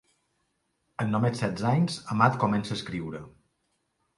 Amb només setze anys, Amat comença a escriure.